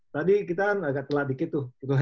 tadi kita kan agak telat dikit tuh